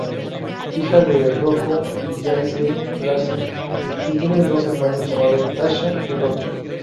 Hija de Rocco y Joyce Blasi, y tiene dos hermanos llamada Tasha y Rocky.